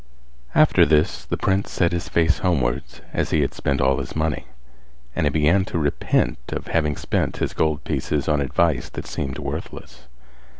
After this the prince set his face homewards as he had spent all his money; and he began to repent of having spent his gold pieces on advice that seemed worthless.